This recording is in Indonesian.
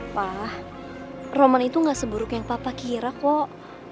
wah roman itu gak seburuk yang papa kira kok